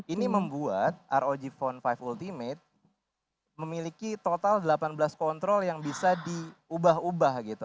ini membuat rog phone lima ultimate memiliki total delapan belas kontrol yang bisa diubah ubah gitu